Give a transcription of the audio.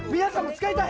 使いたい？